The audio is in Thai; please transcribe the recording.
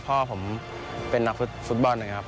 พ่อผมเป็นนักฟุตบอลนะครับ